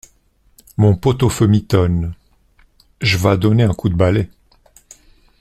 Mon pot-au-feu mitonne… j’vas donner un coup de balai.